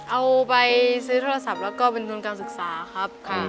เอาไปซื้อโทรศัพท์แล้วก็เป็นทุนการศึกษาครับ